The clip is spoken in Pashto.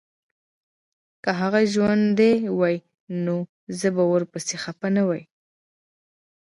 که هغه ژوندی وای نو زه به ورپسي خپه نه وای